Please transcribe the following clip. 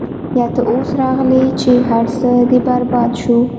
يا تۀ اوس راغلې چې هر څۀ دې برباد شو -